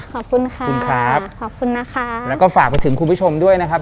ขอบคุณค่ะคุณครับขอบคุณนะคะแล้วก็ฝากไปถึงคุณผู้ชมด้วยนะครับ